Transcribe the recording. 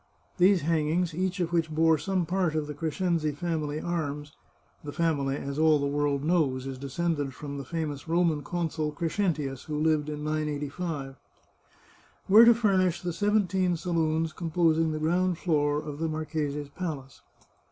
These hangings, each of which bore some part of the Crescenzi family arms (the family, as all the world knows, is descended from the famous Roman Consul Crescentius, who lived in 985), were to fur nish the seventeen saloons composing the ground floor of the marchese's palace.